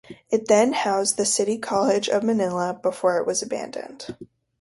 It then housed the City College of Manila before it was abandoned.